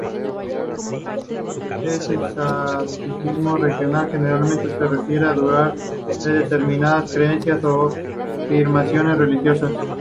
El escepticismo religioso generalmente se refiere a dudar de determinadas creencias o afirmaciones religiosas.